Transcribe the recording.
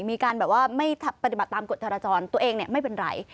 มีการแบบว่าไม่ปฏิบัติตามกฎจราจรตัวเองไม่เป็นไร